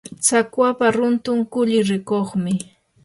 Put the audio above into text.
tsakwapa runtun kulli rikuqmi.